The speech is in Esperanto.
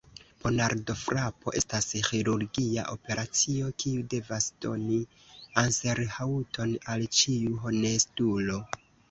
Ponardofrapo estas ĥirurgia operacio, kiu devas doni anserhaŭton al ĉiu honestulo.